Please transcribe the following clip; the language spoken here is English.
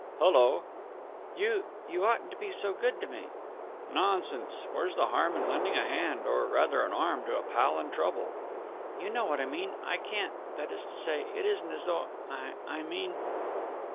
"Hullo?" "You you oughtn't to be so good to me!" "Nonsense! Where's the harm in lending a hand or, rather, an arm to a pal in trouble?" "You know what I mean. I can't ... that is to say ... it isn't as though ... I mean...."